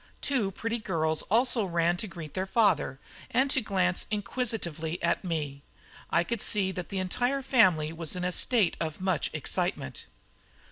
Two pretty girls also ran to greet their father, and to glance inquisitively at me. I could see that the entire family was in a state of much excitement.